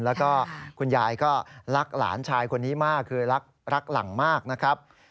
แล้วก็คุณยายก็รักหลานชายคนนี้มากคือรักหลังมากนะครับ